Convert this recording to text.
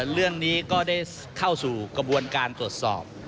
เรื่องนี้ก็ได้เข้าสู่กระบวนการตรวจสอบ